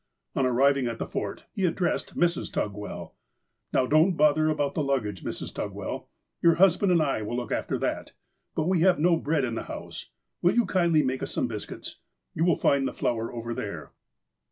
On arriving at the Fort, he addressed Mrs. Tugwell :" Now, don't bother about the luggage, Mrs. Tugwell ! Your husband and I will look after that. But we have no bread in the house. "Will you kindly make us some biscuits ! You will find the flour over there."